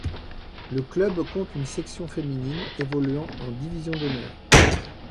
Le club compte une section féminine évoluant en Division d'Honneur.